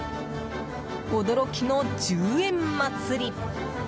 驚きの１０円まつり！